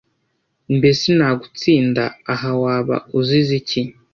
Mbese nagutsinda aha waba uzize iki?